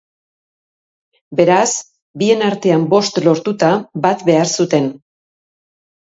Beraz, bien artean bost lortuta, bat behar zuten.